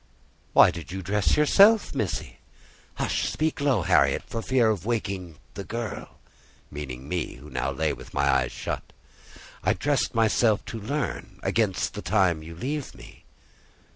"Why did you dress yourself, Missy?" "Hush! speak low, Harriet, for fear of waking the girl" (meaning me, who now lay with my eyes shut). "I dressed myself to learn, against the time you leave me."